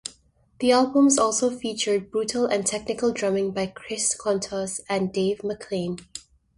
The albums also featured brutal and technical drumming by Chris Kontos and Dave McClain.